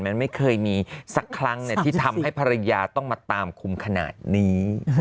มันไม่เคยมีสักครั้งที่ทำให้ภรรยาต้องมาตามคุมขนาดนี้